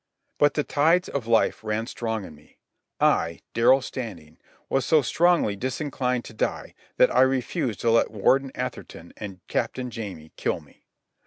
But the tides of life ran strong in me. I, Darrell Standing, was so strongly disinclined to die that I refused to let Warden Atherton and Captain Jamie kill me.